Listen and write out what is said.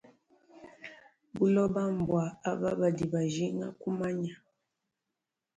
Buloba mbua aba badi bajinga kumanya.